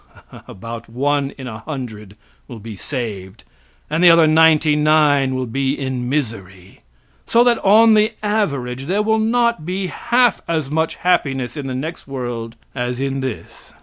About one in a hundred will be saved, and the other ninety nine will be in misery. So that on the average there will not be half as much happiness in the next world as in this.